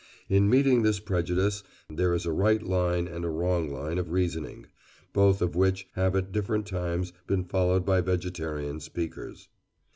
In meeting this prejudice, there is a right line and a wrong line of reasoning, both of which have at different times been followed by vegetarian speakers.